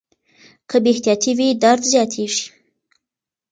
که بې احتیاطي وي درد زیاتېږي.